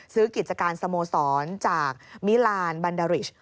ซื้อกิจการสโมสรจากมิลานบันดาลิช